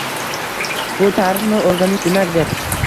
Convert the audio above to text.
Bu – tarixni o‘rganish demakdir.